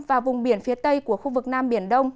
và vùng biển phía tây của khu vực nam biển đông